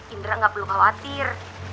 indra gak perlu khawatir